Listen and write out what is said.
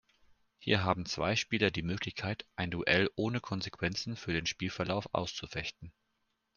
Hier haben zwei Spieler die Möglichkeit ein Duell ohne Konsequenzen für den Spielverlauf auszufechten.